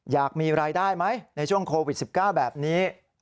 อยากมีรายได้ไหมในช่วงโควิด๑๙แบบนี้